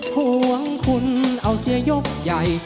ห่วงคุณเอาเสียยกใหญ่